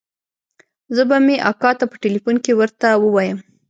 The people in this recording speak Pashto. زه به مې اکا ته په ټېلفون کښې ورته ووايم.